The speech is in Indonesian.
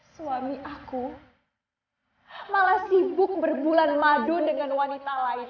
suami aku malah sibuk berbulan madu dengan wanita lain